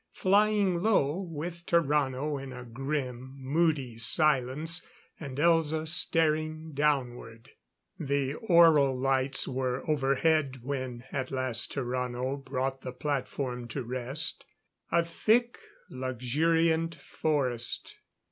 Flying low, with Tarrano in a grim, moody silence, and Elza staring downward. The aural lights were overhead when at the last Tarrano brought the platform to rest. A thick, luxuriant forest.